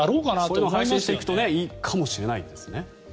それを配信していくといいかもしれないですね。